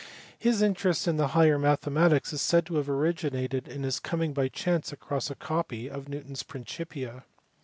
His interest in the higher mathematics is said to have originated in his coming by chance across a copy of Newton s Princijna.